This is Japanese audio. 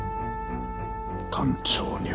艦長には。